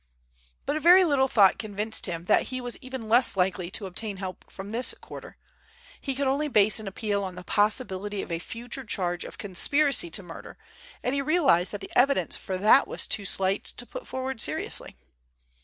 But a very little thought convinced him that he was even less likely to obtain help from this quarter. He could only base an appeal on the possibility of a future charge of conspiracy to murder, and he realized that the evidence for that was too slight to put forward seriously.